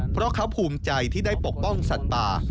เพราะเขาภูมิใจที่ได้ปกป้องสัตว์ป่า